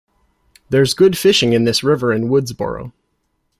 There's good fishing in this river in Woodsboro.